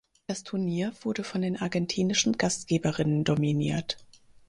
Das Turnier wurde von den argentinischen Gastgeberinnen dominiert.